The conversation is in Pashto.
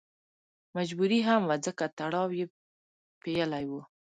مجبوري هم وه ځکه تړاو یې پېیلی و.